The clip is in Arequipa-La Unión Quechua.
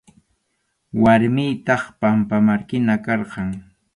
Warmiytaq pampamarkina karqan.